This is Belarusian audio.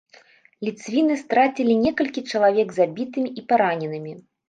Ліцвіны страцілі некалькі чалавек забітымі і параненымі.